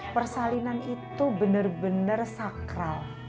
persalinan itu benar benar sakral